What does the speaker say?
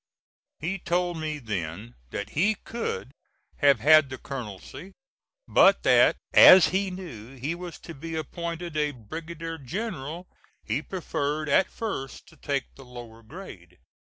He told me then that he could have had the colonelcy, but that as he knew he was to be appointed a brigadier general, he preferred at first to take the lower grade.